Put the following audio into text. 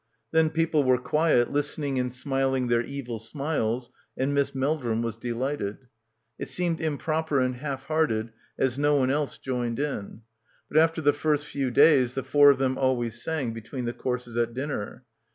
Then people were quiet, listening and smiling their evil smiles and Miss Meldrum was delighted. It seemed improper and half hearted as no one else joined 1 in; but after the first few days the four of them always sang between the courses at dinner.